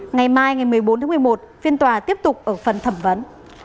ngày mai ngày một mươi bốn tháng một mươi một phiên tòa tiếp tục ở phần thẩm vấn